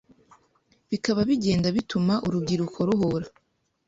bikaba bigenda bituma urubyiruko ruhura